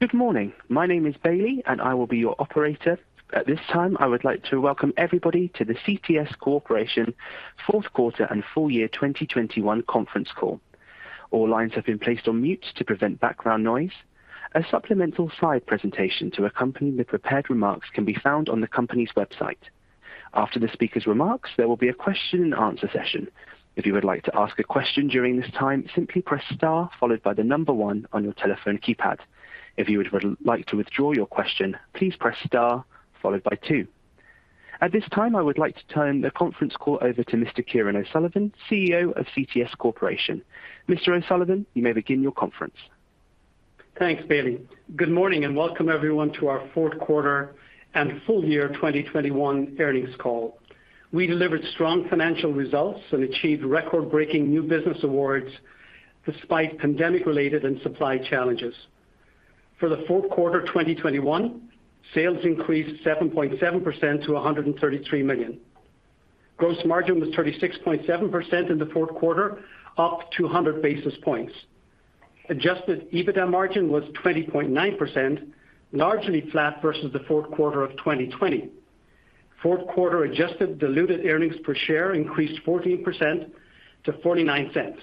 Good morning. My name is Bailey, and I will be your operator. At this time, I would like to welcome everybody to the CTS Corporation fourth quarter and full year 2021 conference call. All lines have been placed on mute to prevent background noise. A supplemental slide presentation to accompany the prepared remarks can be found on the company's website. After the speaker's remarks, there will be a question and answer session. If you would like to ask a question during this time, simply press star followed by the number one on your telephone keypad. If you would like to withdraw your question, please press star followed by two. At this time, I would like to turn the conference call over to Mr. Kieran O'Sullivan, CEO of CTS Corporation. Mr. O'Sullivan, you may begin your conference. Thanks, Bailey. Good morning and welcome everyone to our fourth quarter and full year 2021 earnings call. We delivered strong financial results and achieved record-breaking new business awards despite pandemic related and supply challenges. For the fourth quarter 2021, sales increased 7.7% to $133 million. Gross margin was 36.7% in the fourth quarter, up 200 basis points. Adjusted EBITDA margin was 20.9%, largely flat versus the fourth quarter of 2020. Fourth quarter adjusted diluted earnings per share increased 14% to $0.49.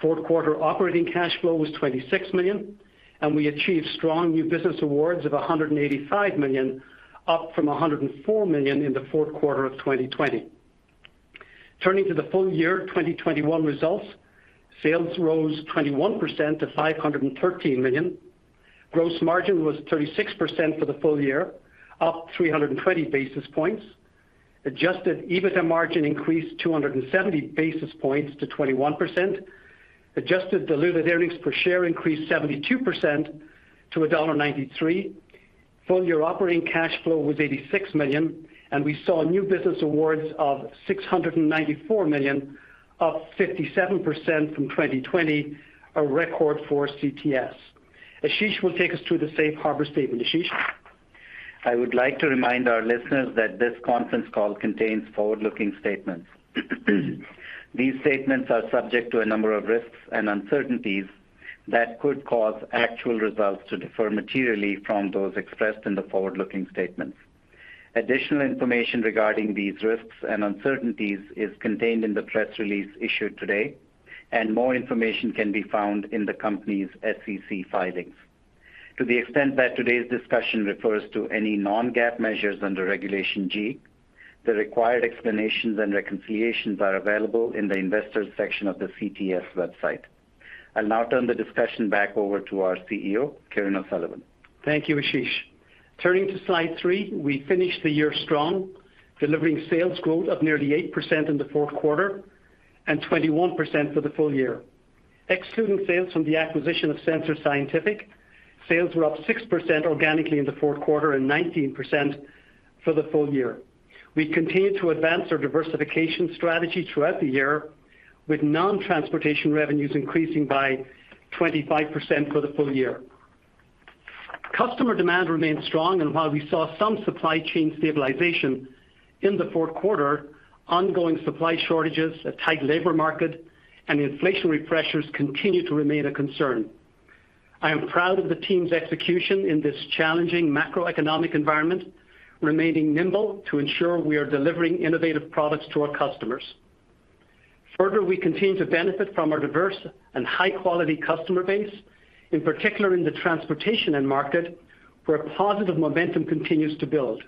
Fourth quarter operating cash flow was $26 million, and we achieved strong new business awards of $185 million, up from $104 million in the fourth quarter of 2020. Turning to the full year 2021 results, sales rose 21% to $513 million. Gross margin was 36% for the full year, up 320 basis points. Adjusted EBITDA margin increased 270 basis points to 21%. Adjusted diluted earnings per share increased 72% to $1.93. Full year operating cash flow was $86 million, and we saw new business awards of $694 million, up 57% from 2020, a record for CTS. Ashish will take us through the safe harbor statement. Ashish. I would like to remind our listeners that this conference call contains forward-looking statements. These statements are subject to a number of risks and uncertainties that could cause actual results to differ materially from those expressed in the forward-looking statements. Additional information regarding these risks and uncertainties is contained in the press release issued today, and more information can be found in the company's SEC filings. To the extent that today's discussion refers to any non-GAAP measures under Regulation G, the required explanations and reconciliations are available in the investors section of the CTS website. I'll now turn the discussion back over to our CEO, Kieran O'Sullivan. Thank you, Ashish. Turning to slide three, we finished the year strong, delivering sales growth of nearly 8% in the fourth quarter and 21% for the full year. Excluding sales from the acquisition of Sensor Scientific, sales were up 6% organically in the fourth quarter and 19% for the full year. We continued to advance our diversification strategy throughout the year, with non-transportation revenues increasing by 25% for the full year. Customer demand remained strong, and while we saw some supply chain stabilization in the fourth quarter, ongoing supply shortages, a tight labor market, and inflationary pressures continue to remain a concern. I am proud of the team's execution in this challenging macroeconomic environment, remaining nimble to ensure we are delivering innovative products to our customers. Further, we continue to benefit from our diverse and high-quality customer base, in particular in the transportation end market, where positive momentum continues to build.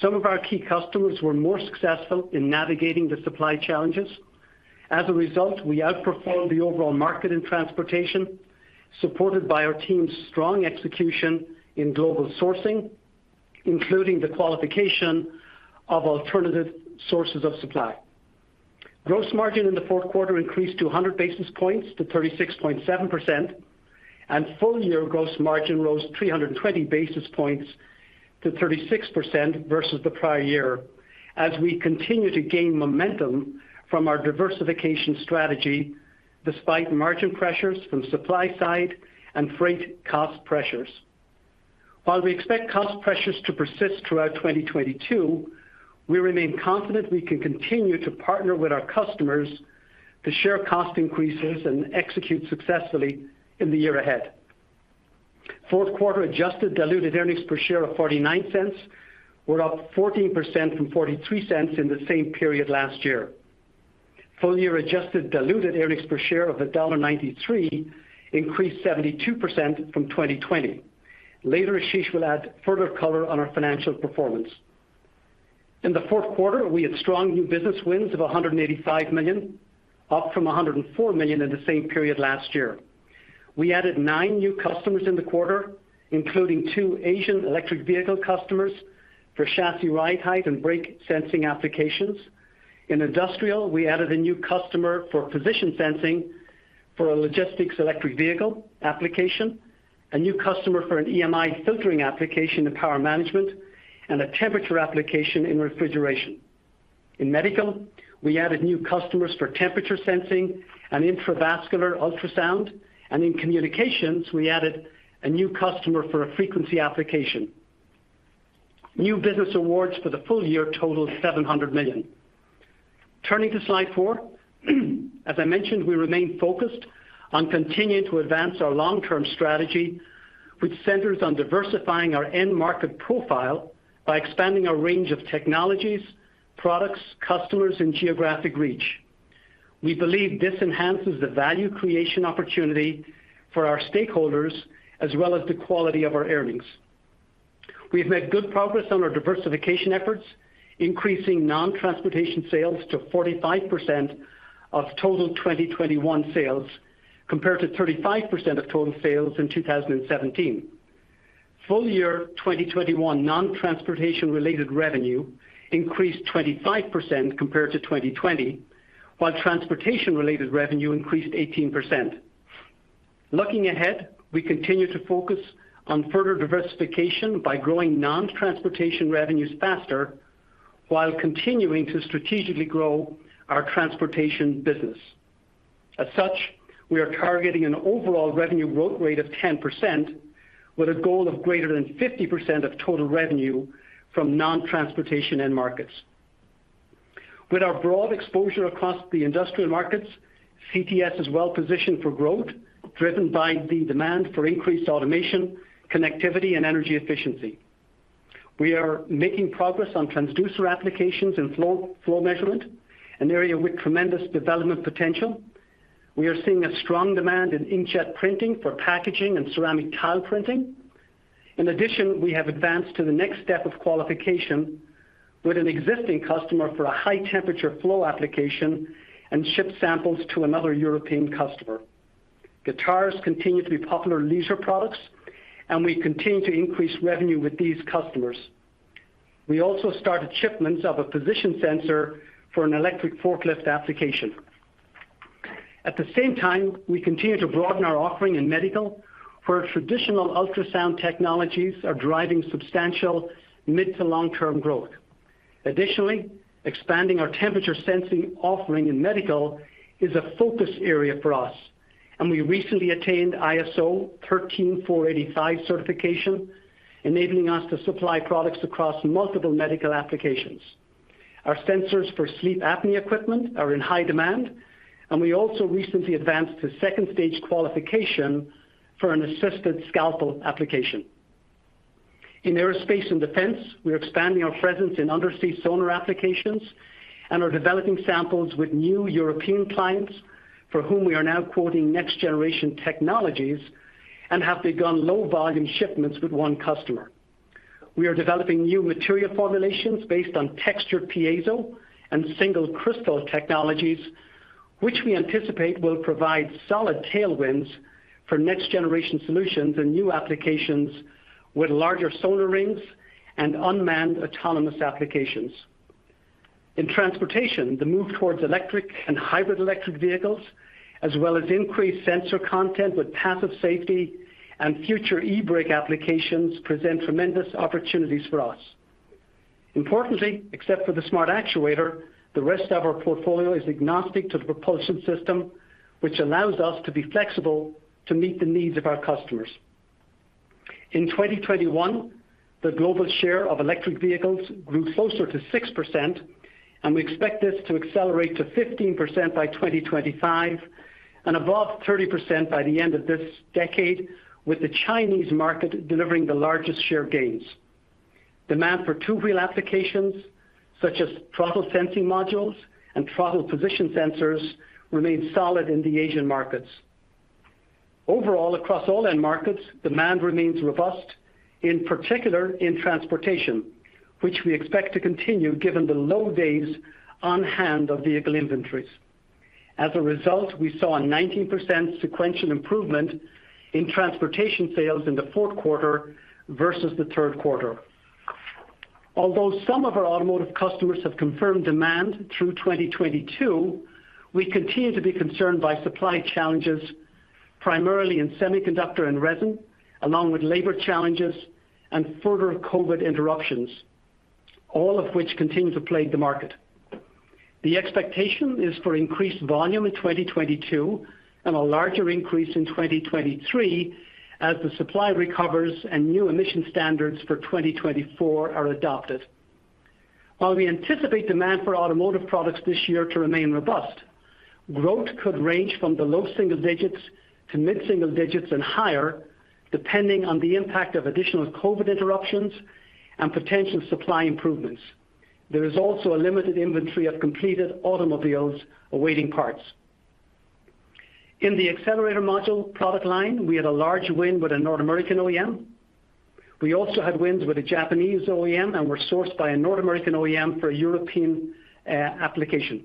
Some of our key customers were more successful in navigating the supply challenges. As a result, we outperformed the overall market in transportation, supported by our team's strong execution in global sourcing, including the qualification of alternative sources of supply. Gross margin in the fourth quarter increased 200 basis points to 36.7%, and full-year gross margin rose 320 basis points to 36% versus the prior year as we continue to gain momentum from our diversification strategy despite margin pressures from supply side and freight cost pressures. While we expect cost pressures to persist throughout 2022, we remain confident we can continue to partner with our customers to share cost increases and execute successfully in the year ahead. Fourth quarter adjusted diluted earnings per share of $0.49 were up 14% from $0.43 in the same period last year. Full year adjusted diluted earnings per share of $1.93 increased 72% from 2020. Later, Ashish will add further color on our financial performance. In the fourth quarter, we had strong new business wins of $185 million, up from $104 million in the same period last year. We added nine new customers in the quarter, including two Asian electric vehicle customers for chassis ride height and brake sensing applications. In industrial, we added a new customer for position sensing for a logistics electric vehicle application, a new customer for an EMI filtering application in power management, and a temperature application in refrigeration. In medical, we added new customers for temperature sensing and intravascular ultrasound. In communications, we added a new customer for a frequency application. New business awards for the full year totaled $700 million. Turning to slide four, as I mentioned, we remain focused on continuing to advance our long-term strategy, which centers on diversifying our end market profile by expanding our range of technologies, products, customers, and geographic reach. We believe this enhances the value creation opportunity for our stakeholders, as well as the quality of our earnings. We have made good progress on our diversification efforts, increasing non-transportation sales to 45% of total 2021 sales, compared to 35% of total sales in 2017. Full year, 2021 non-transportation related revenue increased 25% compared to 2020, while transportation related revenue increased 18%. Looking ahead, we continue to focus on further diversification by growing non-transportation revenues faster while continuing to strategically grow our transportation business. As such, we are targeting an overall revenue growth rate of 10% with a goal of greater than 50% of total revenue from non-transportation end markets. With our broad exposure across the industrial markets, CTS is well-positioned for growth, driven by the demand for increased automation, connectivity, and energy efficiency. We are making progress on transducer applications in flow measurement, an area with tremendous development potential. We are seeing a strong demand in inkjet printing for packaging and ceramic tile printing. In addition, we have advanced to the next step of qualification with an existing customer for a high temperature flow application and shipped samples to another European customer. Guitars continue to be popular leisure products, and we continue to increase revenue with these customers. We also started shipments of a position sensor for an electric forklift application. At the same time, we continue to broaden our offering in medical, where traditional ultrasound technologies are driving substantial mid to long-term growth. Additionally, expanding our temperature sensing offering in medical is a focus area for us, and we recently attained ISO 13485 certification, enabling us to supply products across multiple medical applications. Our sensors for sleep apnea equipment are in high demand, and we also recently advanced to second stage qualification for an assisted scalpel application. In aerospace and defense, we are expanding our presence in undersea sonar applications and are developing samples with new European clients for whom we are now quoting next-generation technologies and have begun low volume shipments with one customer. We are developing new material formulations based on textured piezo and single crystal technologies, which we anticipate will provide solid tailwinds for next-generation solutions and new applications with larger sonar rings and unmanned autonomous applications. In transportation, the move towards electric and hybrid electric vehicles, as well as increased sensor content with passive safety and future eBrake applications present tremendous opportunities for us. Importantly, except for the Smart Actuator, the rest of our portfolio is agnostic to the propulsion system, which allows us to be flexible to meet the needs of our customers. In 2021, the global share of electric vehicles grew closer to 6%, and we expect this to accelerate to 15% by 2025 and above 30% by the end of this decade, with the Chinese market delivering the largest share gains. Demand for two-wheel applications, such as throttle sensing modules and throttle position sensors, remain solid in the Asian markets. Overall, across all end markets, demand remains robust, in particular in transportation, which we expect to continue given the low days on hand of vehicle inventories. As a result, we saw a 19% sequential improvement in transportation sales in the fourth quarter versus the third quarter. Although some of our automotive customers have confirmed demand through 2022, we continue to be concerned by supply challenges, primarily in semiconductor and resin, along with labor challenges and further COVID interruptions, all of which continue to plague the market. The expectation is for increased volume in 2022 and a larger increase in 2023 as the supply recovers and new emission standards for 2024 are adopted. While we anticipate demand for automotive products this year to remain robust, growth could range from the low single digits percentage to mid-single digits percentage and higher, depending on the impact of additional COVID interruptions and potential supply improvements. There is also a limited inventory of completed automobiles awaiting parts. In the accelerator module product line, we had a large win with a North American OEM. We also had wins with a Japanese OEM and were sourced by a North American OEM for a European application.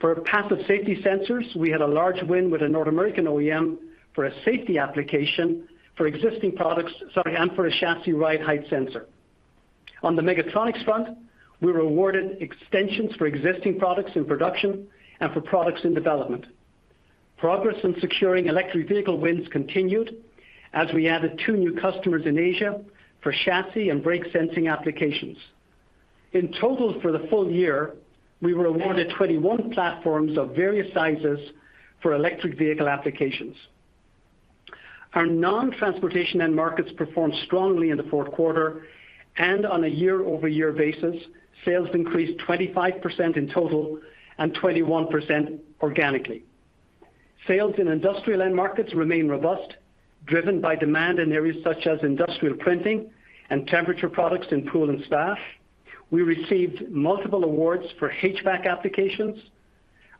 For passive safety sensors, we had a large win with a North American OEM for a safety application for existing products, sorry, and for a chassis ride height sensor. On the mechatronics front, we were awarded extensions for existing products in production and for products in development. Progress in securing electric vehicle wins continued as we added two new customers in Asia for chassis and brake sensing applications. In total for the full year, we were awarded 21 platforms of various sizes for electric vehicle applications. Our non-transportation end markets performed strongly in the fourth quarter, and on a year-over-year basis, sales increased 25% in total and 21% organically. Sales in industrial end markets remain robust, driven by demand in areas such as industrial printing and temperature products in pool and spa. We received multiple awards for HVAC applications.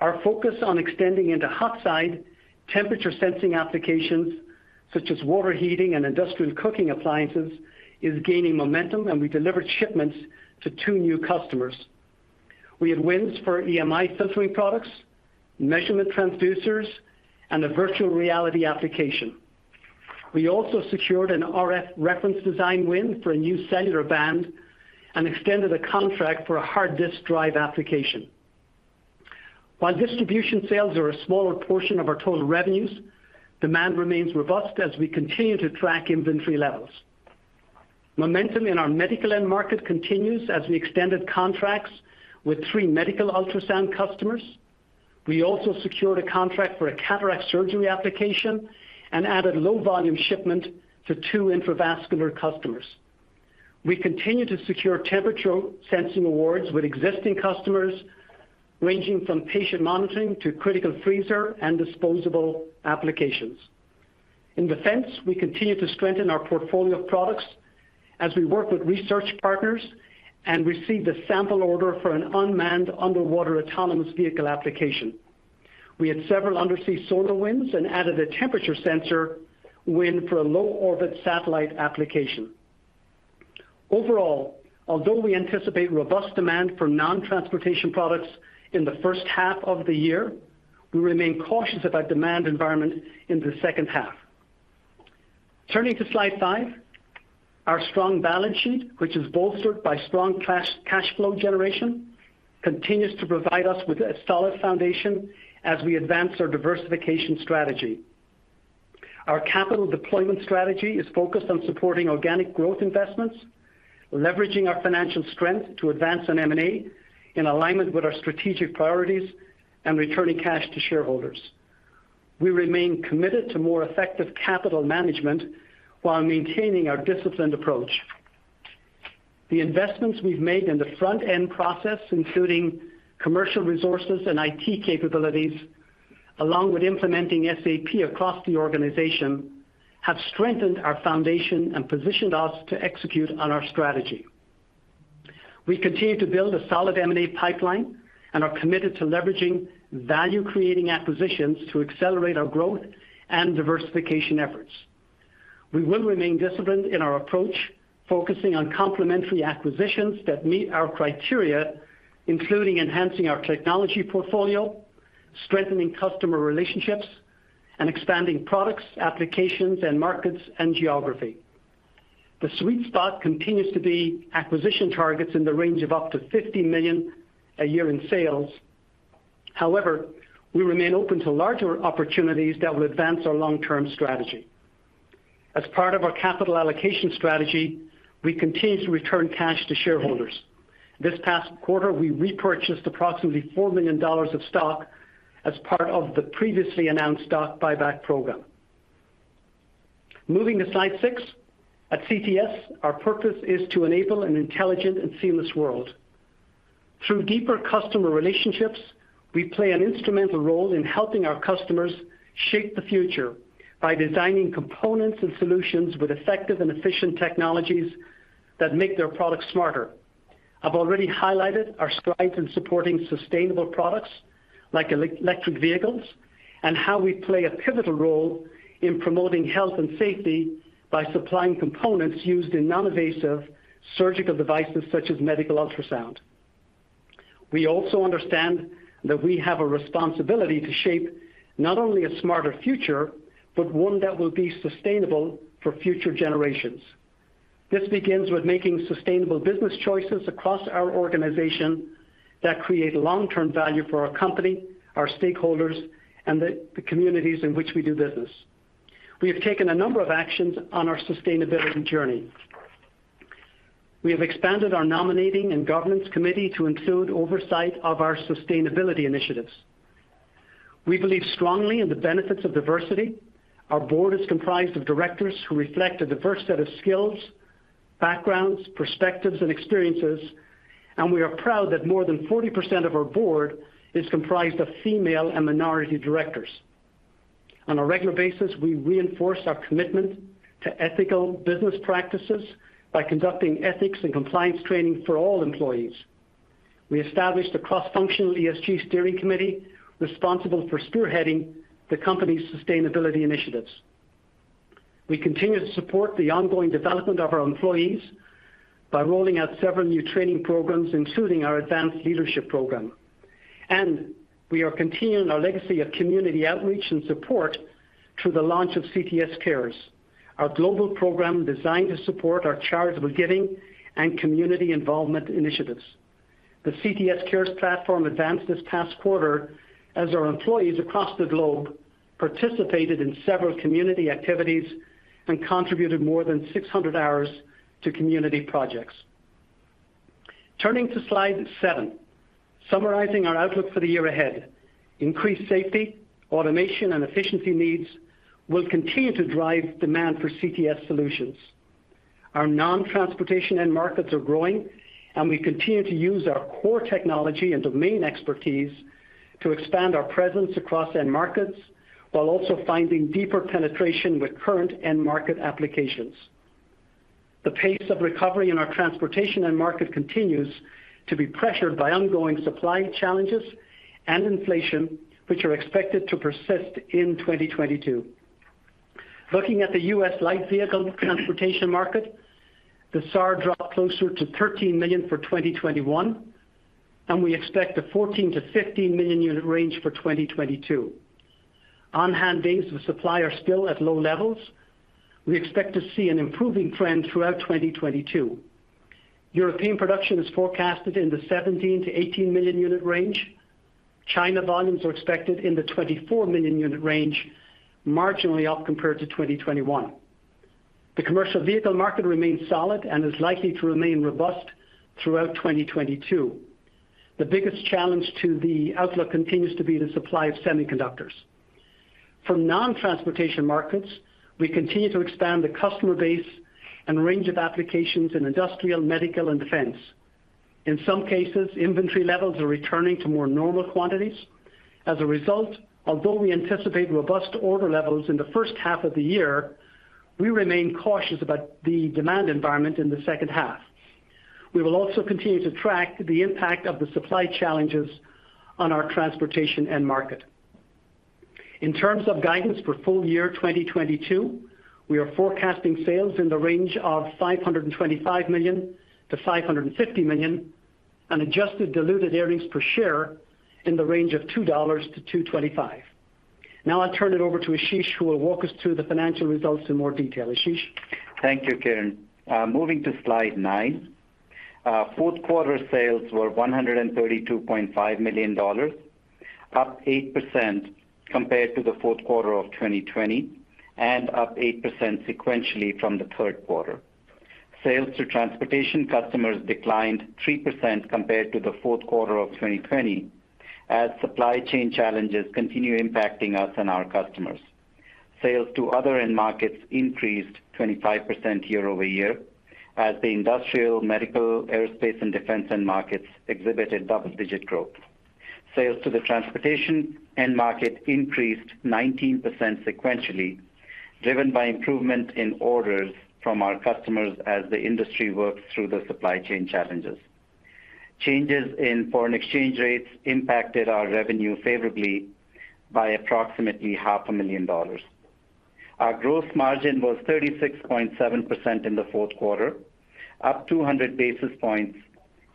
Our focus on extending into hot side temperature sensing applications such as water heating and industrial cooking appliances is gaining momentum, and we delivered shipments to two new customers. We had wins for EMI filtering products, measurement transducers, and a virtual reality application. We also secured an RF reference design win for a new cellular band and extended a contract for a hard disk drive application. While distribution sales are a smaller portion of our total revenues, demand remains robust as we continue to track inventory levels. Momentum in our medical end market continues as we extended contracts with three medical ultrasound customers. We also secured a contract for a cataract surgery application and added low volume shipment to two intravascular customers. We continue to secure temperature sensing awards with existing customers, ranging from patient monitoring to critical freezer and disposable applications. In defense, we continue to strengthen our portfolio of products as we work with research partners and received a sample order for an unmanned underwater autonomous vehicle application. We had several undersea sonar wins and added a temperature sensor win for a low orbit satellite application. Overall, although we anticipate robust demand for non-transportation products in the first half of the year, we remain cautious about demand environment in the second half. Turning to slide five. Our strong balance sheet, which is bolstered by strong cash flow generation, continues to provide us with a solid foundation as we advance our diversification strategy. Our capital deployment strategy is focused on supporting organic growth investments, leveraging our financial strength to advance on M&A in alignment with our strategic priorities and returning cash to shareholders. We remain committed to more effective capital management while maintaining our disciplined approach. The investments we've made in the front-end process, including commercial resources and IT capabilities, along with implementing SAP across the organization, have strengthened our foundation and positioned us to execute on our strategy. We continue to build a solid M&A pipeline and are committed to leveraging value-creating acquisitions to accelerate our growth and diversification efforts. We will remain disciplined in our approach, focusing on complementary acquisitions that meet our criteria, including enhancing our technology portfolio, strengthening customer relationships, and expanding products, applications, and markets and geography. The sweet spot continues to be acquisition targets in the range of up to $50 million a year in sales. However, we remain open to larger opportunities that will advance our long-term strategy. As part of our capital allocation strategy, we continue to return cash to shareholders. This past quarter, we repurchased approximately $4 million of stock as part of the previously announced stock buyback program. Moving to slide six. At CTS, our purpose is to enable an intelligent and seamless world. Through deeper customer relationships, we play an instrumental role in helping our customers shape the future by designing components and solutions with effective and efficient technologies that make their products smarter. I've already highlighted our strides in supporting sustainable products like electric vehicles, and how we play a pivotal role in promoting health and safety by supplying components used in non-invasive surgical devices such as medical ultrasound. We also understand that we have a responsibility to shape not only a smarter future, but one that will be sustainable for future generations. This begins with making sustainable business choices across our organization that create long-term value for our company, our stakeholders, and the communities in which we do business. We have taken a number of actions on our sustainability journey. We have expanded our nominating and governance committee to include oversight of our sustainability initiatives. We believe strongly in the benefits of diversity. Our board is comprised of directors who reflect a diverse set of skills, backgrounds, perspectives and experiences, and we are proud that more than 40% of our board is comprised of female and minority directors. On a regular basis, we reinforce our commitment to ethical business practices by conducting ethics and compliance training for all employees. We established a cross-functional ESG steering committee responsible for spearheading the company's sustainability initiatives. We continue to support the ongoing development of our employees by rolling out several new training programs, including our advanced leadership program. We are continuing our legacy of community outreach and support through the launch of CTS Cares, our global program designed to support our charitable giving and community involvement initiatives. The CTS Cares platform advanced this past quarter as our employees across the globe participated in several community activities and contributed more than 600 hours to community projects. Turning to slide seven, summarizing our outlook for the year ahead. Increased safety, automation, and efficiency needs will continue to drive demand for CTS solutions. Our non-transportation end markets are growing, and we continue to use our core technology and domain expertise to expand our presence across end markets, while also finding deeper penetration with current end market applications. The pace of recovery in our transportation end market continues to be pressured by ongoing supply challenges and inflation, which are expected to persist in 2022. Looking at the U.S. light vehicle transportation market, the SAAR dropped closer to 13 million unit for 2021, and we expect a 14-15 million unit range for 2022. On-hand days with supply are still at low levels. We expect to see an improving trend throughout 2022. European production is forecasted in the 17 million unit-18 million unit range. China volumes are expected in the 24 million unit range, marginally up compared to 2021. The commercial vehicle market remains solid and is likely to remain robust throughout 2022. The biggest challenge to the outlook continues to be the supply of semiconductors. For non-transportation markets, we continue to expand the customer base and range of applications in industrial, medical, and defense. In some cases, inventory levels are returning to more normal quantities. As a result, although we anticipate robust order levels in the first half of the year, we remain cautious about the demand environment in the second half. We will also continue to track the impact of the supply challenges on our transportation end market. In terms of guidance for full year 2022, we are forecasting sales in the range of $525 million-$550 million, and adjusted diluted earnings per share in the range of $2-$2.25. Now I'll turn it over to Ashish, who will walk us through the financial results in more detail. Ashish? Thank you, Kieran. Moving to slide nine. Fourth quarter sales were $132.5 million, up 8% compared to the fourth quarter of 2020, and up 8% sequentially from the third quarter. Sales to transportation customers declined 3% compared to the fourth quarter of 2020 as supply chain challenges continue impacting us and our customers. Sales to other end markets increased 25% year-over-year as the industrial, medical, aerospace, and defense end markets exhibited double-digit growth. Sales to the transportation end market increased 19% sequentially, driven by improvement in orders from our customers as the industry works through the supply chain challenges. Changes in foreign exchange rates impacted our revenue favorably by approximately $0.5 million. Our growth margin was 36.7% in the fourth quarter, up 200 basis points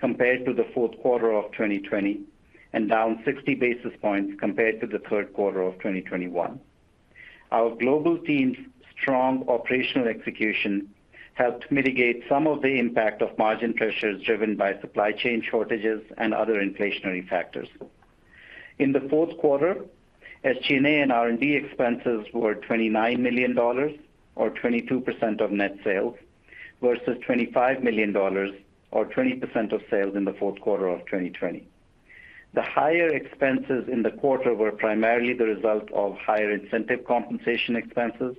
compared to the fourth quarter of 2020, and down 60 basis points compared to the third quarter of 2021. Our global team's strong operational execution helped mitigate some of the impact of margin pressures driven by supply chain shortages and other inflationary factors. In the fourth quarter, SG&A and R&D expenses were $29 million or 22% of net sales, versus $25 million or 20% of sales in the fourth quarter of 2020. The higher expenses in the quarter were primarily the result of higher incentive compensation expenses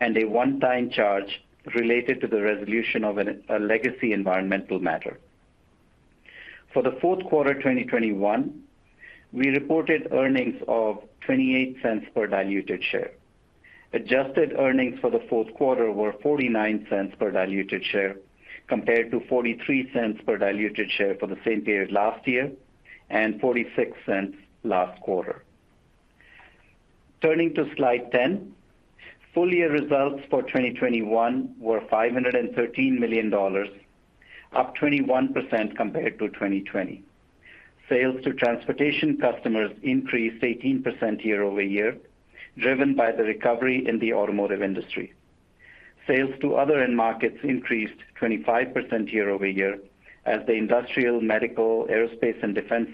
and a one-time charge related to the resolution of a legacy environmental matter. For the fourth quarter 2021, we reported earnings of $0.28 per diluted share. Adjusted earnings for the fourth quarter were $0.49 per diluted share compared to $0.43 per diluted share for the same period last year and $0.46 last quarter. Turning to slide 10. Full year results for 2021 were $513 million, up 21% compared to 2020. Sales to transportation customers increased 18% year-over-year, driven by the recovery in the automotive industry. Sales to other end markets increased 25% year-over-year as the industrial, medical, aerospace, and defense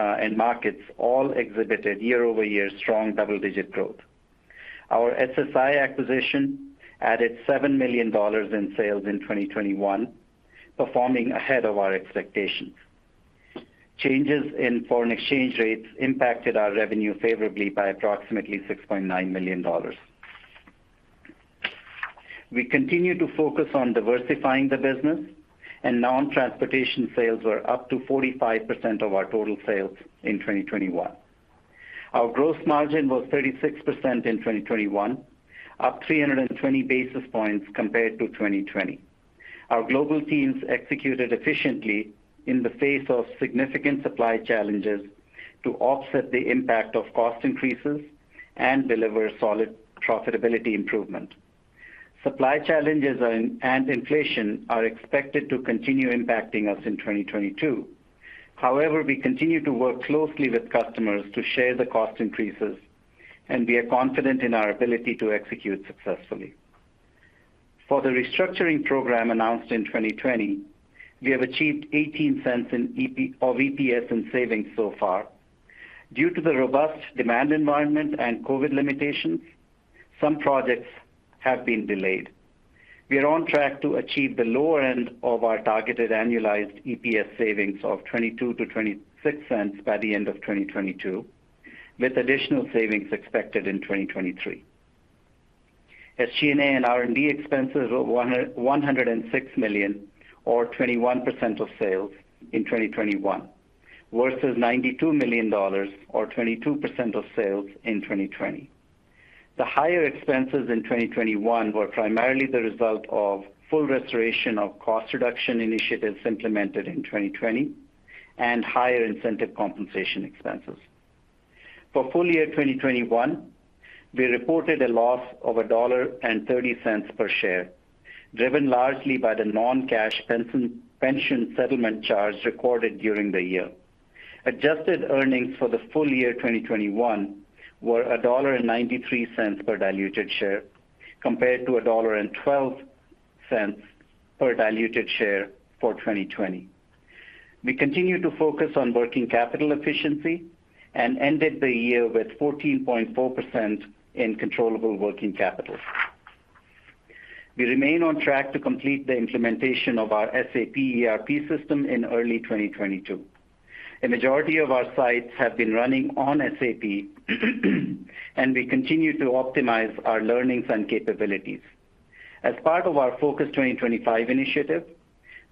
end markets all exhibited year-over-year strong double-digit growth. Our SSI acquisition added $7 million in sales in 2021, performing ahead of our expectations. Changes in foreign exchange rates impacted our revenue favorably by approximately $6.9 million. We continue to focus on diversifying the business and non-transportation sales were up to 45% of our total sales in 2021. Our gross margin was 36% in 2021, up 320 basis points compared to 2020. Our global teams executed efficiently in the face of significant supply challenges to offset the impact of cost increases and deliver solid profitability improvement. Supply challenges and inflation are expected to continue impacting us in 2022. However, we continue to work closely with customers to share the cost increases, and we are confident in our ability to execute successfully. For the restructuring program announced in 2020, we have achieved $0.18 in EPS savings so far. Due to the robust demand environment and COVID limitations, some projects have been delayed. We are on track to achieve the lower end of our targeted annualized EPS savings of $0.22-$0.26 by the end of 2022, with additional savings expected in 2023. SG&A and R&D expenses were $106 million or 21% of sales in 2021, versus $92 million or 22% of sales in 2020. The higher expenses in 2021 were primarily the result of full restoration of cost reduction initiatives implemented in 2020 and higher incentive compensation expenses. For full year 2021, we reported a loss of $1.30 per share, driven largely by the non-cash pension settlement charge recorded during the year. Adjusted earnings for the full year 2021 were $1.93 per diluted share, compared to $1.12 per diluted share for 2020. We continue to focus on working capital efficiency and ended the year with 14.4% in controllable working capital. We remain on track to complete the implementation of our SAP ERP system in early 2022. A majority of our sites have been running on SAP and we continue to optimize our learnings and capabilities. As part of our Focus 2025 initiative,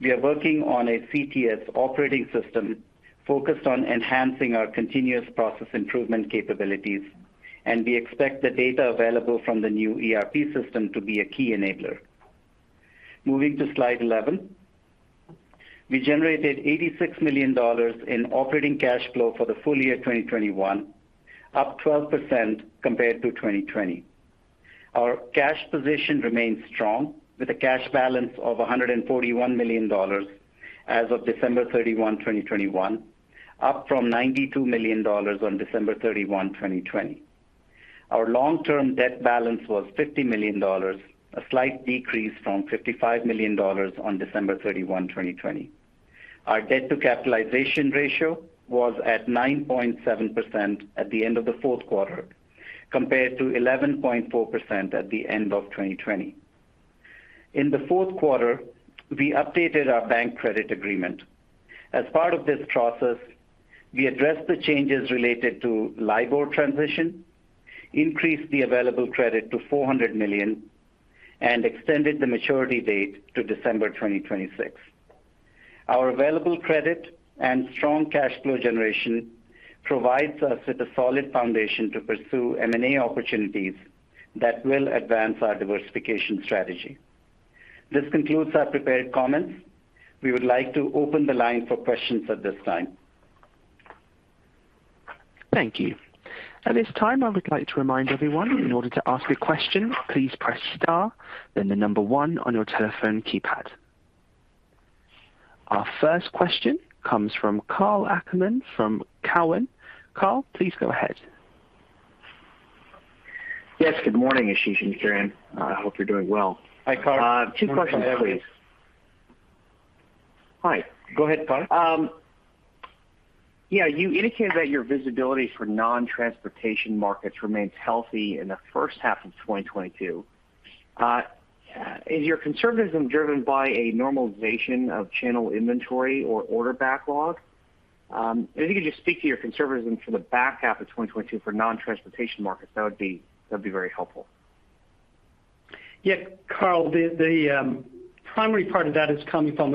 we are working on a CTS operating system focused on enhancing our continuous process improvement capabilities, and we expect the data available from the new ERP system to be a key enabler. Moving to slide 11. We generated $86 million in operating cash flow for the full year 2021, up 12% compared to 2020. Our cash position remains strong, with a cash balance of $141 million as of December 31, 2021, up from $92 million on December 31, 2020. Our long-term debt balance was $50 million, a slight decrease from $55 million on December 31, 2020. Our debt-to-capitalization ratio was at 9.7% at the end of the fourth quarter, compared to 11.4% at the end of 2020. In the fourth quarter, we updated our bank credit agreement. As part of this process, we addressed the changes related to LIBOR transition, increased the available credit to $400 million, and extended the maturity date to December 2026. Our available credit and strong cash flow generation provides us with a solid foundation to pursue M&A opportunities that will advance our diversification strategy. This concludes our prepared comments. We would like to open the line for questions at this time. Thank you. At this time, I would like to remind everyone, in order to ask a question, please press star then the number one on your telephone keypad. Our first question comes from Karl Ackerman from Cowen & Company. Karl, please go ahead. Yes, good morning, Ashish and Kieran. I hope you're doing well. Hi, Karl. Two questions, please. Hi. Go ahead, Karl. Yeah, you indicated that your visibility for non-transportation markets remains healthy in the first half of 2022. Is your conservatism driven by a normalization of channel inventory or order backlog? If you could just speak to your conservatism for the back half of 2022 for non-transportation markets, that would be, that'd be very helpful. Yeah, Karl, the primary part of that is coming from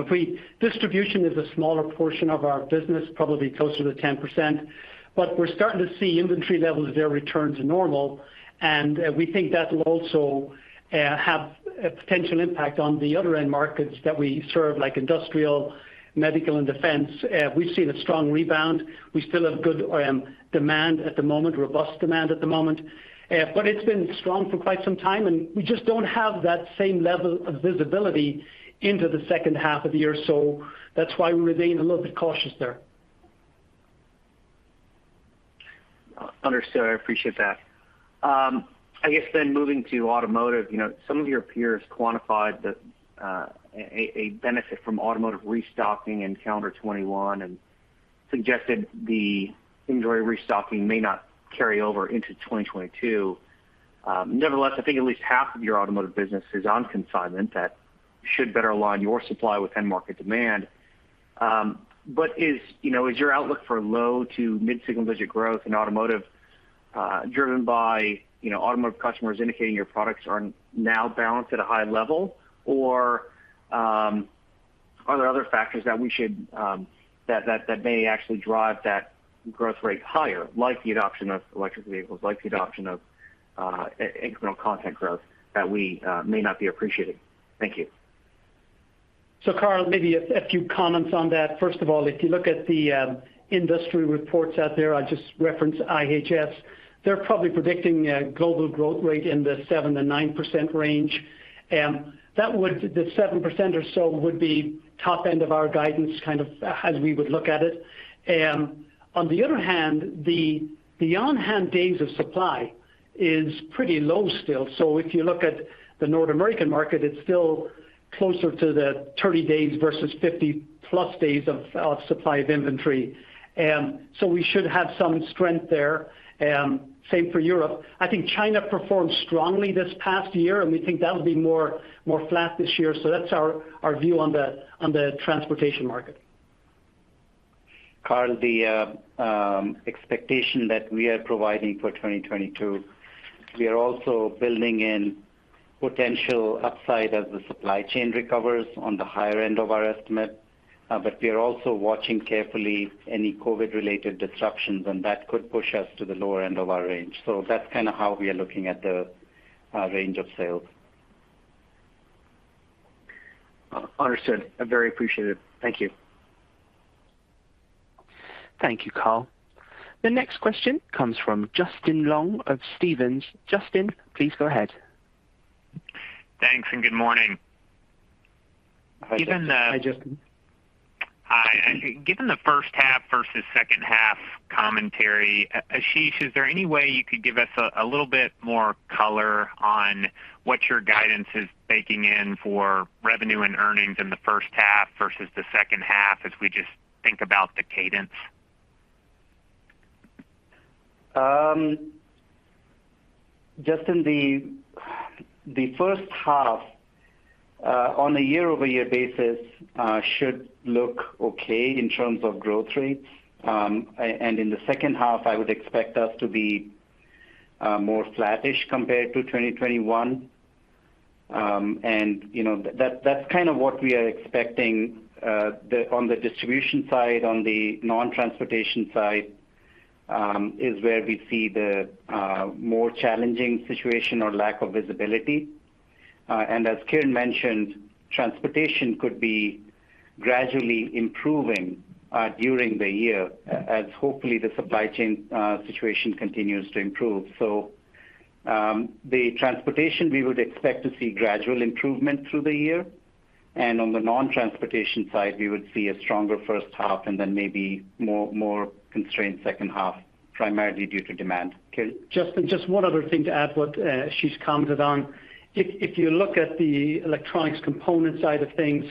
distribution is a smaller portion of our business, probably closer to 10%, but we're starting to see inventory levels there return to normal. We think that will also have a potential impact on the other end markets that we serve, like industrial, medical, and defense. We've seen a strong rebound. We still have good demand at the moment, robust demand at the moment. But it's been strong for quite some time, and we just don't have that same level of visibility into the second half of the year. That's why we remain a little bit cautious there. Understood. I appreciate that. I guess moving to automotive, you know, some of your peers quantified a benefit from automotive restocking in calendar 2021 and suggested the inventory restocking may not carry over into 2022. Nevertheless, I think at least half of your automotive business is on consignment that should better align your supply with end market demand. Is your outlook for low to mid single-digit growth in automotive driven by automotive customers indicating your products are now balanced at a high level? Or are there other factors that we should, that may actually drive that growth rate higher, like the adoption of electric vehicles, like the adoption of incremental content growth that we may not be appreciating? Thank you. Karl, maybe a few comments on that. First of all, if you look at the industry reports out there, I just referenced IHS, they're probably predicting a global growth rate in the 7%-9% range. The 7% or so would be top end of our guidance, kind of as we would look at it. On the other hand, the on-hand days of supply It's pretty low still. If you look at the North American market, it's still closer to the 30 days versus 50+ days of supply of inventory. We should have some strength there. Same for Europe. I think China performed strongly this past year, and we think that'll be more flat this year. That's our view on the transportation market. Karl, the expectation that we are providing for 2022, we are also building in potential upside as the supply chain recovers on the higher end of our estimate. We are also watching carefully any COVID-related disruptions, and that could push us to the lower end of our range. That's kinda how we are looking at the range of sales. Understood and very appreciated. Thank you. Thank you, Karl. The next question comes from Justin Long of Stephens. Justin, please go ahead. Thanks and good morning. Hi, Justin. Hi, Justin. Hi. Given the first half versus second half commentary, Ashish, is there any way you could give us a little bit more color on what your guidance is baking in for revenue and earnings in the first half versus the second half as we just think about the cadence? Justin, the first half on a year-over-year basis should look okay in terms of growth rates. In the second half, I would expect us to be more flattish compared to 2021. That's kind of what we are expecting on the distribution side, on the non-transportation side is where we see the more challenging situation or lack of visibility. As Kieran mentioned, transportation could be gradually improving during the year as hopefully the supply chain situation continues to improve. The transportation we would expect to see gradual improvement through the year. On the non-transportation side, we would see a stronger first half and then maybe more constrained second half, primarily due to demand. Kieran? Justin, just one other thing to add to what Ashish commented on. If you look at the electronics component side of things,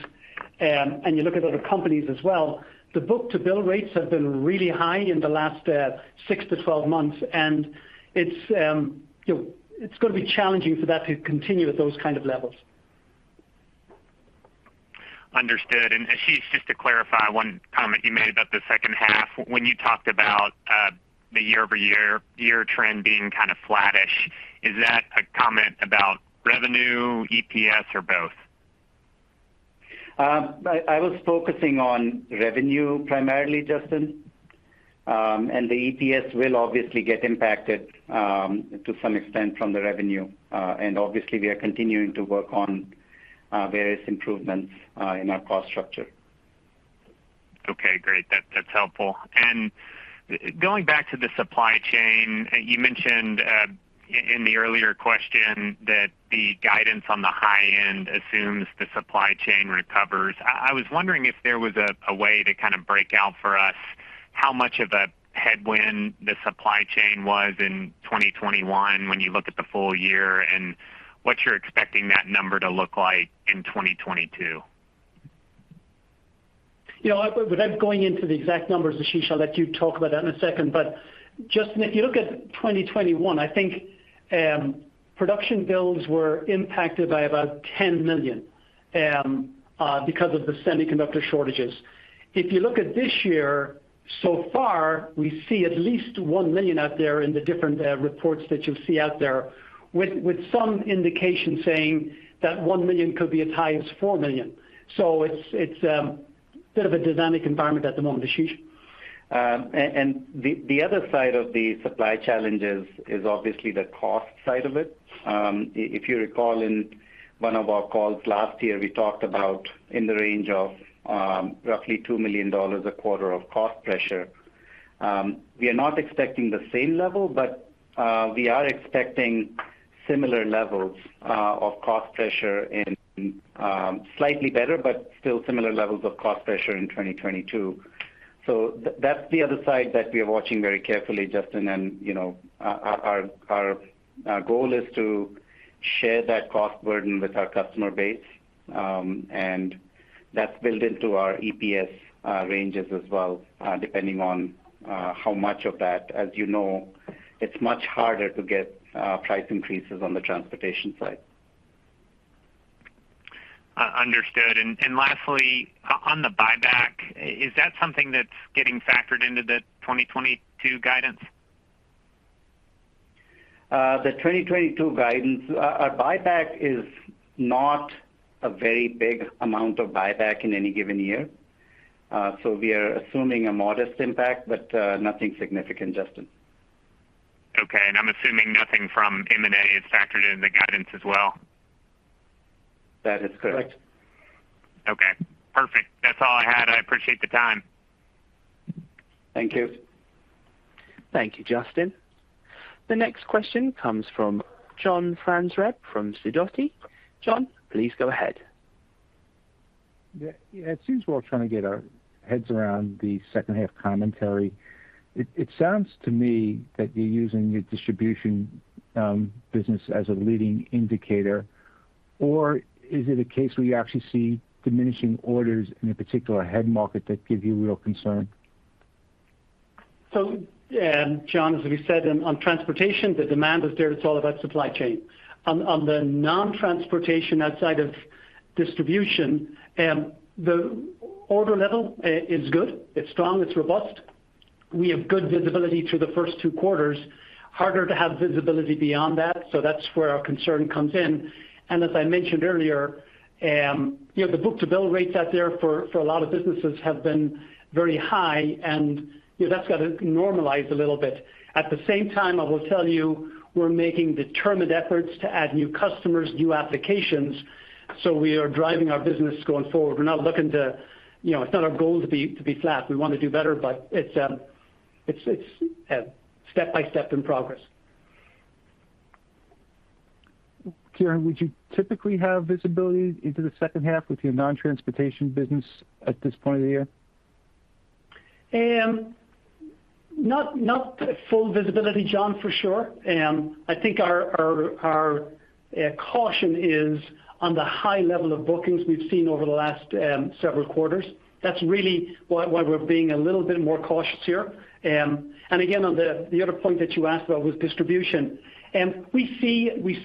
and you look at other companies as well, the book-to-bill rates have been really high in the last 6-12 months, and it's gonna be challenging for that to continue at those kind of levels. Understood. Ashish, just to clarify one comment you made about the second half. When you talked about the year-over-year trend being kind of flattish, is that a comment about revenue, EPS or both? I was focusing on revenue primarily, Justin. The EPS will obviously get impacted to some extent from the revenue. Obviously we are continuing to work on various improvements in our cost structure. Okay, great. That's helpful. Going back to the supply chain, you mentioned in the earlier question that the guidance on the high end assumes the supply chain recovers. I was wondering if there was a way to kind of break out for us how much of a headwind the supply chain was in 2021 when you look at the full year and what you're expecting that number to look like in 2022. Without going into the exact numbers, Ashish, I'll let you talk about that in a second. Justin, if you look at 2021, I think, production builds were impacted by about 10 million because of the semiconductor shortages. If you look at this year, so far, we see at least 1 million out there in the different reports that you see out there, with some indication saying that 1 million could be as high as 4 million. It's a bit of a dynamic environment at the moment. Ashish? The other side of the supply challenges is obviously the cost side of it. If you recall in one of our calls last year, we talked about in the range of roughly $2 million a quarter of cost pressure. We are not expecting the same level, but we are expecting similar levels of cost pressure in 2022, slightly better but still similar. That's the other side that we are watching very carefully, Justin, and our goal is to share that cost burden with our customer base. That's built into our EPS ranges as well, depending on how much of that. As you know, it's much harder to get price increases on the transportation side. Understood. Lastly, on the buyback, is that something that's getting factored into the 2022 guidance? The 2022 guidance. Our buyback is not a very big amount of buyback in any given year. We are assuming a modest impact, but nothing significant, Justin. Okay. I'm assuming nothing from M&A is factored in the guidance as well. That is correct. Okay, perfect. That's all I had. I appreciate the time. Thank you. Thank you, Justin. The next question comes from John Franzreb from Sidoti & Company. John, please go ahead. Yeah, it seems we're all trying to get our heads around the second half commentary. It sounds to me that you're using your distribution business as a leading indicator. Or is it a case where you actually see diminishing orders in a particular end market that give you real concern? John, as we said on transportation, the demand is there. It's all about supply chain. On the non-transportation outside of distribution, the order level is good, it's strong, it's robust. We have good visibility through the first two quarters. Harder to have visibility beyond that, so that's where our concern comes in. As I mentioned earlier, the book-to-bill rates out there for a lot of businesses have been very high, and that's got to normalize a little bit. At the same time, I will tell you, we're making determined efforts to add new customers, new applications, so we are driving our business going forward. It's not our goal to be flat. We want to do better, but it's step-by-step in progress. Kieran, would you typically have visibility into the second half with your non-transportation business at this point of the year? Not full visibility, John, for sure. I think our caution is on the high level of bookings we've seen over the last several quarters. That's really why we're being a little bit more cautious here. Again, on the other point that you asked about was distribution. We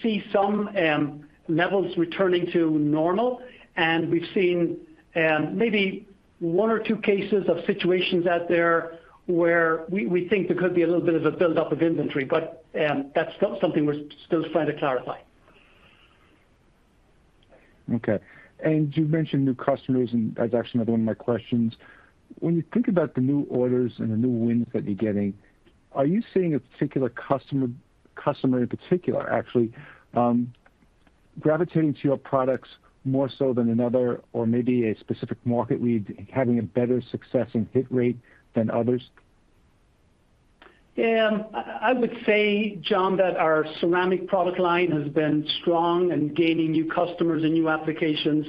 see some levels returning to normal, and we've seen maybe one or two cases of situations out there where we think there could be a little bit of a build-up of inventory. That's still something we're still trying to clarify. Okay. You've mentioned new customers, and that's actually another one of my questions. When you think about the new orders and the new wins that you're getting, are you seeing a particular customer in particular actually gravitating to your products more so than another or maybe a specific market lead having a better success and hit rate than others? I would say, John, that our ceramic product line has been strong and gaining new customers and new applications.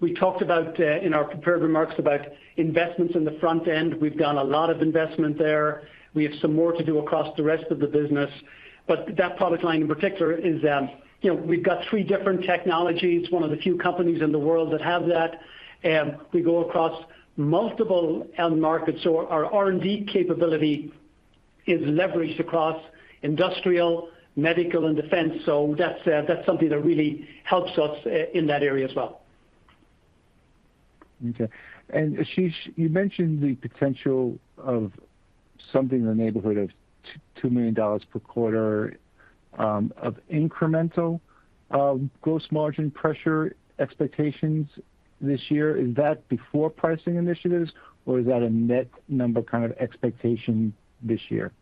We talked about in our prepared remarks about investments in the front end. We've done a lot of investment there. We have some more to do across the rest of the business. That product line in particular is, you know. We've got three different technologies, one of the few companies in the world that have that. We go across multiple end markets. Our R&D capability is leveraged across industrial, medical, and defense. That's something that really helps us in that area as well. Okay. Ashish, you mentioned the potential of something in the neighborhood of $2 million per quarter of incremental gross margin pressure expectations this year. Is that before pricing initiatives, or is that a net number kind of expectation this year?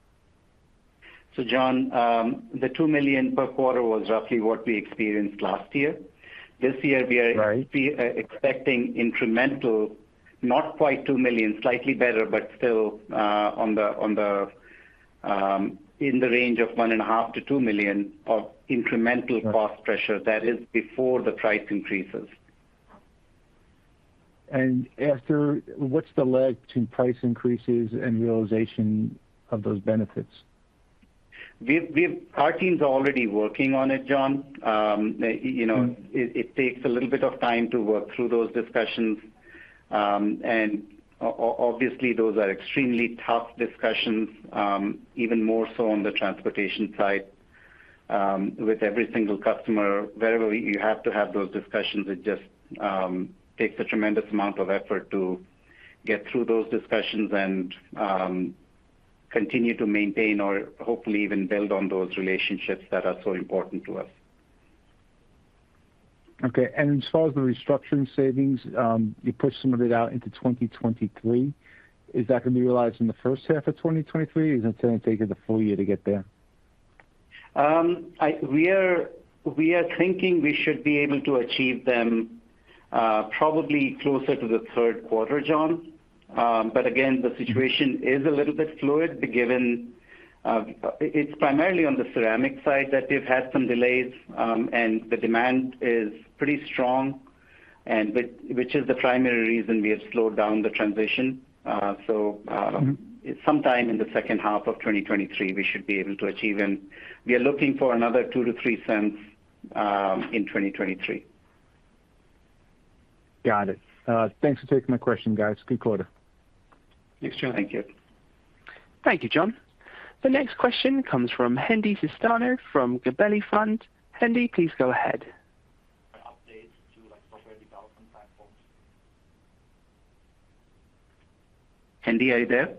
John, the $2 million per quarter was roughly what we experienced last year. This year we are expecting incremental, not quite $2 million, slightly better, but still in the range of $1.5 million-$2 million of incremental cost pressure that is before the price increases. After, what's the lag between price increases and realization of those benefits? Our team's already working on it, John. It takes a little bit of time to work through those discussions. And obviously, those are extremely tough discussions, even more so on the transportation side. With every single customer, wherever you have to have those discussions, it just takes a tremendous amount of effort to get through those discussions and continue to maintain or hopefully even build on those relationships that are so important to us. Okay. As far as the restructuring savings, you pushed some of it out into 2023. Is that gonna be realized in the first half of 2023, or is it gonna take you the full year to get there? We are thinking we should be able to achieve them probably closer to the third quarter, John. Again, the situation is a little bit fluid given it's primarily on the ceramic side that we've had some delays, and the demand is pretty strong which is the primary reason we have slowed down the transition. Sometime in the second half of 2023, we should be able to achieve. We are looking for another $0.02-$0.03 in 2023. Got it. Thanks for taking my question, guys. Good quarter. Thanks, John. Thank you. Thank you, John. The next question comes from Hendi Susanto from Gabelli Funds. Hendi, please go ahead. Hendi, are you there?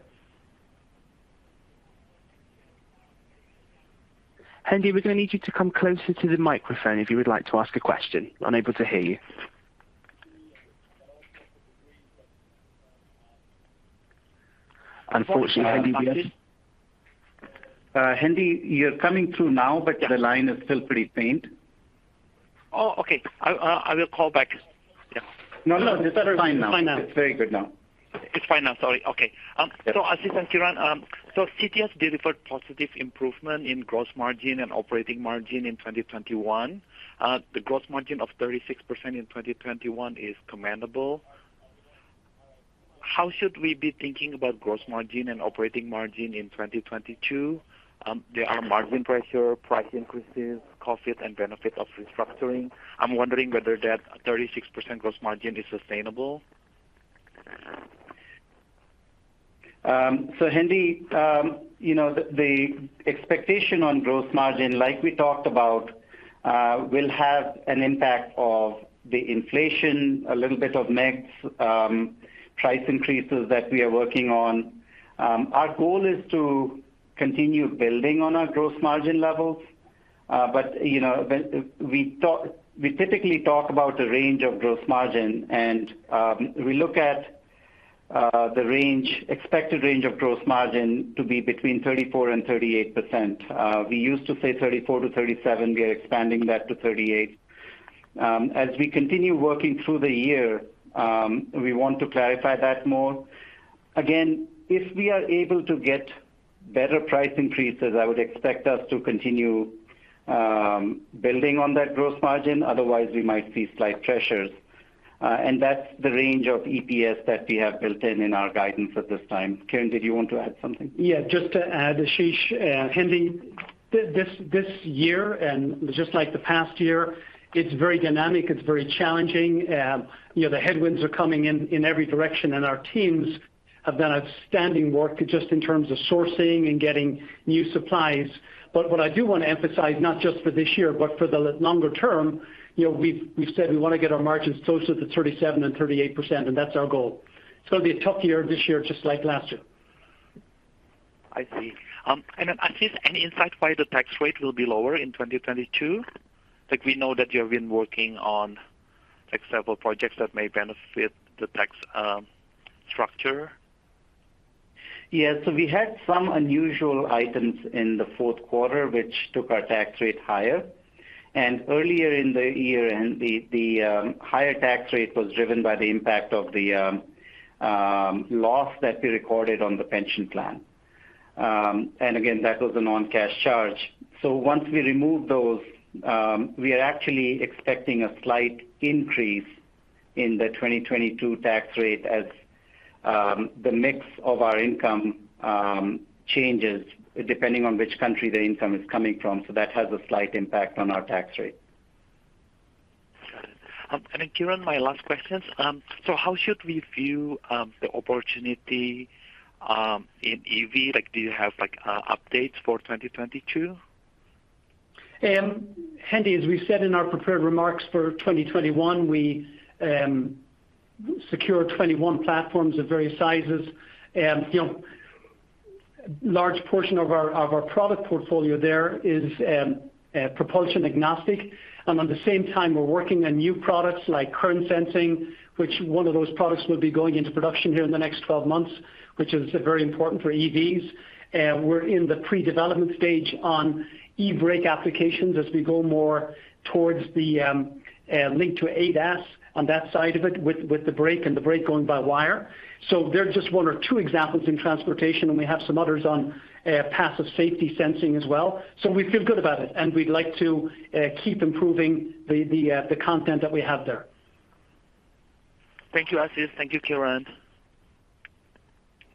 Hendi, we're gonna need you to come closer to the microphone if you would like to ask a question. Unable to hear you. Unfortunately, Hendi, we are- Hendi, you're coming through now, but the line is still pretty faint. Oh, okay. I will call back. Yeah. No, no. It's better. It's fine now. It's very good now. It's fine now. Sorry. Okay. Ashish and Kieran, CTS delivered positive improvement in gross margin and operating margin in 2021. The gross margin of 36% in 2021 is commendable. How should we be thinking about gross margin and operating margin in 2022? There are margin pressures, price increases, costs and benefits of restructuring. I'm wondering whether that 36% gross margin is sustainable. Hendi, the expectation on gross margin, like we talked about, will have an impact of the inflation, a little bit of mix, price increases that we are working on. Our goal is to continue building on our gross margin levels, but, we typically talk about a range of gross margin and, we look at the expected range of gross margin to be between 34% and 38%. We used to say 34% to 37%, we are expanding that to 38%. As we continue working through the year, we want to clarify that more. Again, if we are able to get better price increases, I would expect us to continue building on that gross margin, otherwise we might see slight pressures. That's the range of EPS that we have built in our guidance at this time. Kieran, did you want to add something? Yeah, just to add, Ashish, Hendi, this year and just like the past year, it's very dynamic, it's very challenging. The headwinds are coming in every direction and our teams have done outstanding work just in terms of sourcing and getting new supplies. What I do wanna emphasize, not just for this year, but for the longer term, we've said we wanna get our margins closer to 37% and 38%, and that's our goal. It's gonna be a tough year this year, just like last year. I see. Ashish, any insight why the tax rate will be lower in 2022? Like we know that you have been working on like several projects that may benefit the tax structure. Yeah. We had some unusual items in the fourth quarter, which took our tax rate higher. Earlier in the year, the higher tax rate was driven by the impact of the loss that we recorded on the pension plan. Again, that was a non-cash charge. Once we remove those, we are actually expecting a slight increase in the 2022 tax rate as the mix of our income changes depending on which country the income is coming from. That has a slight impact on our tax rate. Got it. Kieran, my last question. How should we view the opportunity in EV? Like, do you have like updates for 2022? Hendi, as we said in our prepared remarks for 2021, we secured 21 platforms of various sizes. Large portion of our product portfolio there is propulsion agnostic. At the same time, we're working on new products like current sensing, which one of those products will be going into production here in the next 12 months, which is very important for EVs. We're in the pre-development stage on eBrake applications as we go more towards the link to ADAS on that side of it with the brake-by-wire. They're just one or two examples in transportation, and we have some others on passive safety sensing as well. We feel good about it and we'd like to keep improving the content that we have there. Thank you, Ashish. Thank you, Kieran.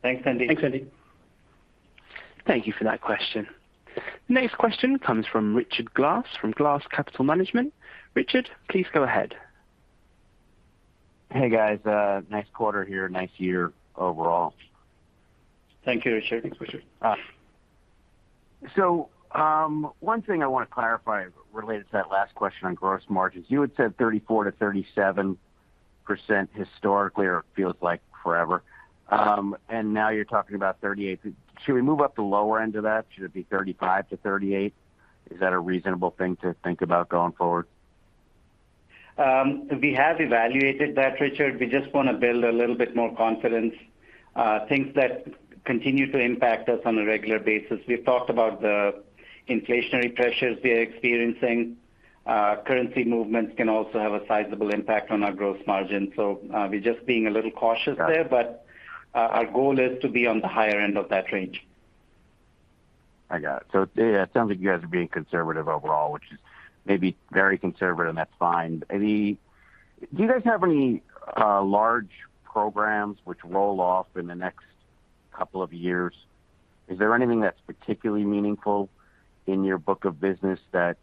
Thanks, Hendi. Thanks, Hendi. Thank you for that question. Next question comes from Richard Glass, from Glass Capital Management. Richard, please go ahead. Hey, guys. Nice quarter here. Nice year overall. Thank you, Richard. Thanks, Richard. One thing I wanna clarify related to that last question on gross margins. You had said 34%-37% historically, or it feels like forever. now you're talking about 38%. Should we move up the lower end of that? Should it be 35%-38%? Is that a reasonable thing to think about going forward? We have evaluated that, Richard. We just wanna build a little bit more confidence. Things that continue to impact us on a regular basis. We've talked about the inflationary pressures we are experiencing. Currency movements can also have a sizable impact on our gross margin. We're just being a little cautious there. Got it. Our goal is to be on the higher end of that range. I got it. It sounds like you guys are being conservative overall, which is maybe very conservative, and that's fine. Do you guys have any large programs which roll off in the next couple of years? Is there anything that's particularly meaningful in your book of business that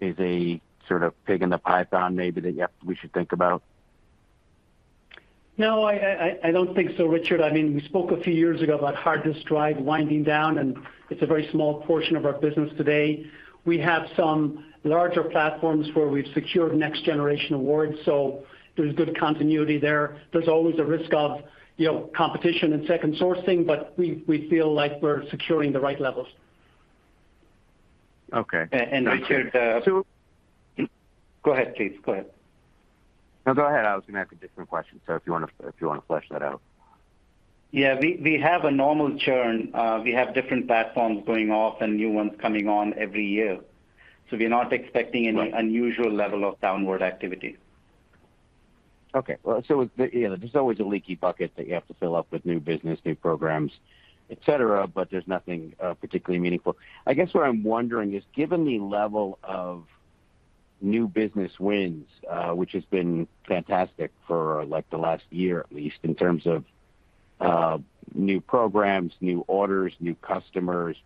is a sort of pig in the python maybe that we should think about? No, I don't think so, Richard. I mean, we spoke a few years ago about hard disk drive winding down, and it's a very small portion of our business today. We have some larger platforms where we've secured next generation awards, so there's good continuity there. There's always a risk of competition and second sourcing, but we feel like we're securing the right levels. Okay. Richard, So- Go ahead, please. Go ahead. No, go ahead. I was gonna ask a different question, so if you wanna flesh that out. Yeah, we have a normal churn. We have different platforms going off and new ones coming on every year. We're not expecting any unusual level of downward activity. Okay. Well, you know, there's always a leaky bucket that you have to fill up with new business, new programs, et cetera, but there's nothing particularly meaningful. I guess what I'm wondering is, given the level of new business wins, which has been fantastic for like the last year at least in terms of new programs, new orders, new customers,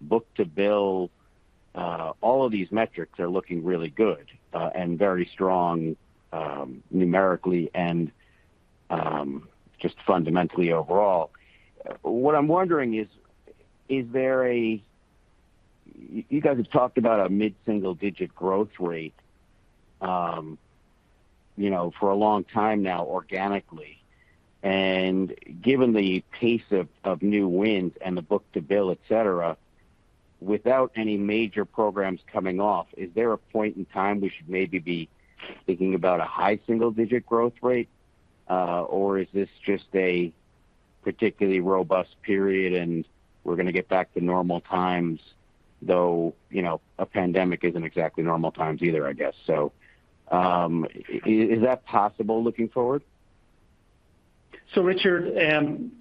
book-to-bill, all of these metrics are looking really good and very strong numerically and just fundamentally overall. What I'm wondering is, you guys have talked about a mid-single-digit growth rate for a long time now organically. Given the pace of new wins and the book-to-bill, et cetera, without any major programs coming off, is there a point in time we should maybe be thinking about a high-single-digit growth rate? Is this just a particularly robust period and we're gonna get back to normal times, though a pandemic isn't exactly normal times either, I guess. Is that possible looking forward? Richard,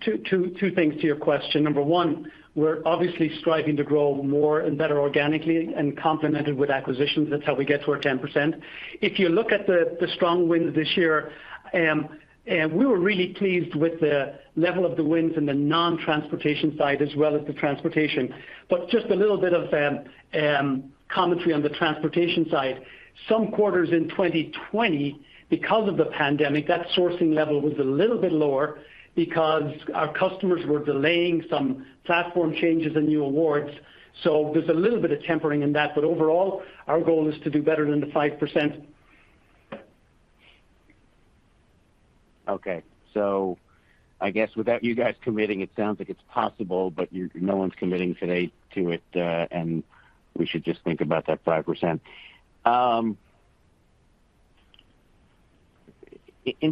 two things to your question. Number one, we're obviously striving to grow more and better organically and complemented with acquisitions. That's how we get to our 10%. If you look at the strong wins this year, we were really pleased with the level of the wins in the non-transportation side as well as the transportation. But just a little bit of commentary on the transportation side. Some quarters in 2020, because of the pandemic, that sourcing level was a little bit lower because our customers were delaying some platform changes and new awards. There's a little bit of tempering in that. But overall, our goal is to do better than the 5%. Okay. I guess without you guys committing, it sounds like it's possible, but no one's committing today to it, and we should just think about that 5%. In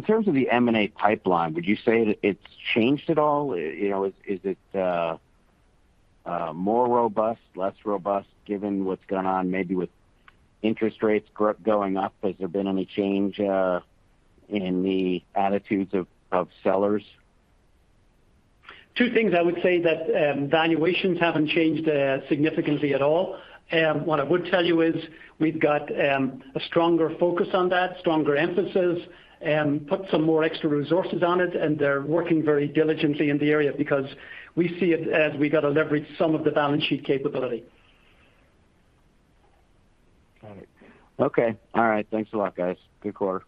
terms of the M&A pipeline, would you say it's changed at all? Is it more robust, less robust given what's gone on maybe with interest rates going up? Has there been any change in the attitudes of sellers? Two things. I would say that valuations haven't changed significantly at all. What I would tell you is we've got a stronger focus on that, stronger emphasis, put some more extra resources on it, and they're working very diligently in the area because we see it as we got to leverage some of the balance sheet capability. Got it. Okay. All right. Thanks a lot, guys. Good quarter.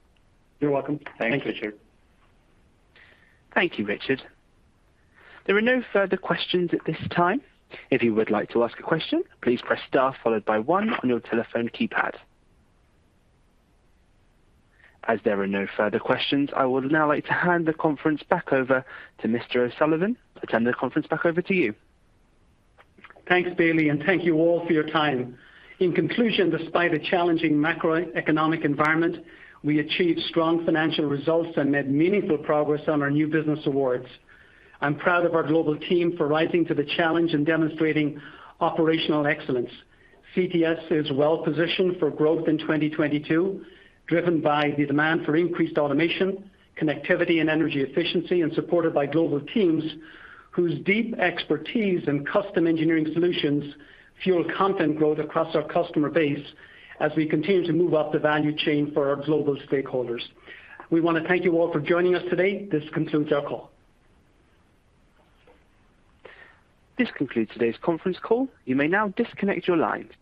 You're welcome. Thanks, Richard. Thank you. Thank you, Richard. There are no further questions at this time. If you would like to ask a question, please press star followed by one on your telephone keypad. As there are no further questions, I would now like to hand the conference back over to Mr. O'Sullivan. I turn the conference back over to you. Thanks, Bailey, and thank you all for your time. In conclusion, despite a challenging macroeconomic environment, we achieved strong financial results and made meaningful progress on our new business awards. I'm proud of our global team for rising to the challenge and demonstrating operational excellence. CTS is well positioned for growth in 2022, driven by the demand for increased automation, connectivity, and energy efficiency, and supported by global teams whose deep expertise in custom engineering solutions fuel content growth across our customer base as we continue to move up the value chain for our global stakeholders. We wanna thank you all for joining us today. This concludes our call. This concludes today's conference call. You may now disconnect your lines.